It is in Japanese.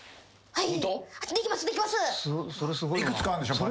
はい。